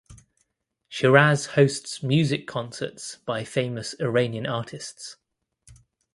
Shiraz hosts music concerts by famous Iranian artists.